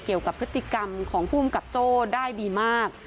เกี่ยวกับพฤติกรรมของภูมิกับโจ้ได้ดีมาก